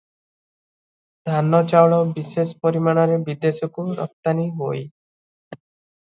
ଧାନ ଚାଉଳ ବିଶେଷ ପରିମାଣରେ ବିଦେଶକୁ ରପ୍ତାନୀ ହୁଅଇ ।